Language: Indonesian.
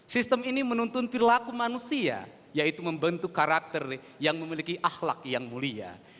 sistem ini menuntun perilaku manusia yaitu membentuk karakter yang memiliki akhlak yang mulia